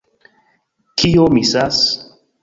Kio misas?